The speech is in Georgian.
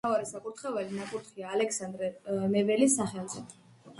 ეკლესიის მთავარი საკურთხეველი ნაკურთხია ალექსანდრე ნეველის სახელზე.